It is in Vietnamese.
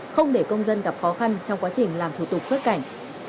không để công dân gặp khó khăn trong quá trình làm thủ tục xuất cảnh